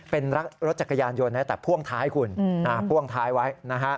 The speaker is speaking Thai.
เป็นรถจักรยานยนต์แต่พ่วงท้ายคุณพ่วงท้ายไว้นะฮะ